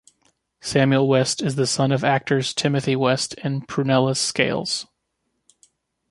Samuel West is the son of actors Timothy West and Prunella Scales.